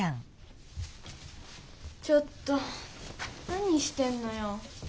ちょっと何してんのよ？